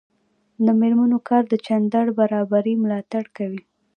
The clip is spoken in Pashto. د میرمنو کار د جنډر برابري ملاتړ کوي.